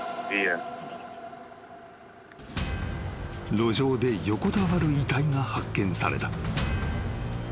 ［路上で横たわる遺体が発見された］